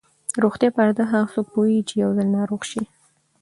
د روغتیا په ارزښت هغه څوک پوهېږي چې یو ځل ناروغ شي.